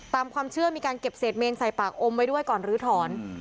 ตามความเชื่อมีการเก็บเศษเมนใส่ปากอมไว้ด้วยก่อนลื้อถอน